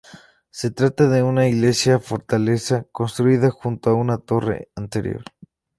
Se trata de una iglesia-fortaleza construida junto a una torre anterior.